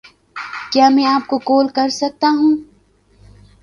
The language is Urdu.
کیا میں آپ کو کال کر سکتا ہوں